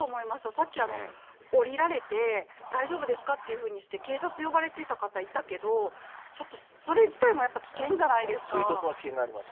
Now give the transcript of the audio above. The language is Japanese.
さっき降りられて、大丈夫ですか？っていうふうにして警察呼ばれてた方いたけど、ちょっとそれ自体追突の危険があります。